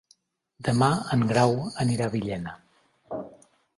Demà en Grau anirà a Villena.